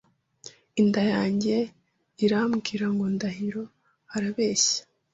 Inda yanjye irambwira ngo Ndahiro arabeshya.